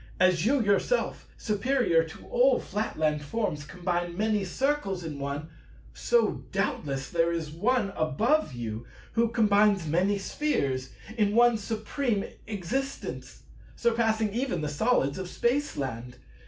As you yourself, superior to all Flatland forms, combine many Circles in One, so doubtless there is One above you who combines many Spheres in One Supreme Existence, surpassing even the Solids of Spaceland.